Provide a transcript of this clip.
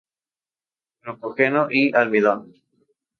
Glucógeno y almidón.